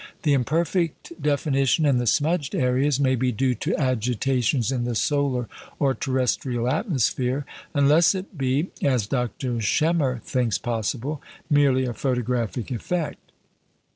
The imperfect definition in the smudged areas may be due to agitations in the solar or terrestrial atmosphere, unless it be as Dr. Schemer thinks possible merely a photographic effect.